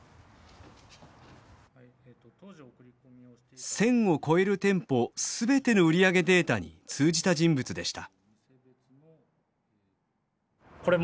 １，０００を超える店舗全ての売り上げデータに通じた人物でした。